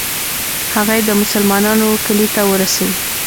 هغه یې د مسلمانانو کلي ته ورسوي.